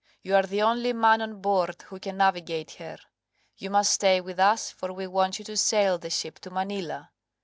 You are the only man on board who can navigate her. You must stay with us, for we want you to sail the ship to Manila.